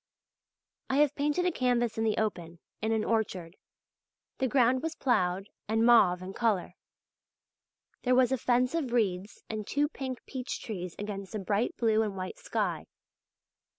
I have painted a canvas in the open, in an orchard. The ground was ploughed and mauve in colour, there was a fence of reeds and two pink peach trees against a bright blue and white sky.